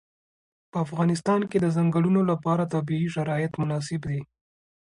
په افغانستان کې د ځنګلونه لپاره طبیعي شرایط مناسب دي.